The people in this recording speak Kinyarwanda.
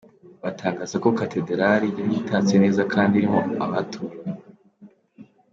Batangaza ko Katedalari yari itatse neza kandi irimo abatumiwe.